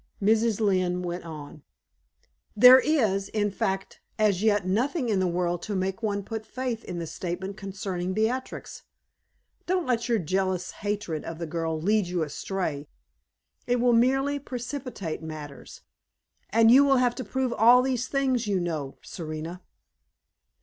Mrs. Lynne went on: "There is, in fact, as yet, nothing in the world to make one put faith in the statement concerning Beatrix. Don't let your jealous hatred of the girl lead you astray. It will merely precipitate matters; and you will have to prove all these things, you know, Serena."